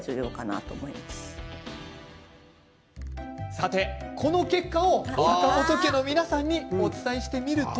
さて、この結果を坂本家の皆さんにお伝えしてみると。